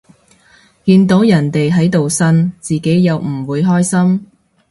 見到人哋喺度呻，自己又唔會開心